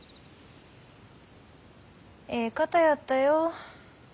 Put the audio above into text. えい方やったよ。